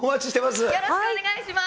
よろしくお願いします。